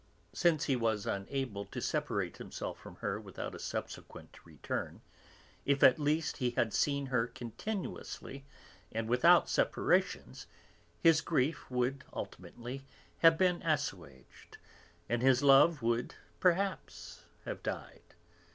Since he was unable to separate himself from her without a subsequent return, if at least he had seen her continuously and without separations his grief would ultimately have been assuaged, and his love would, perhaps, have died.